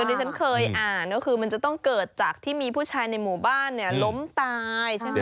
ที่ฉันเคยอ่านก็คือมันจะต้องเกิดจากที่มีผู้ชายในหมู่บ้านเนี่ยล้มตายใช่ไหม